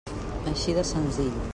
Així de senzill.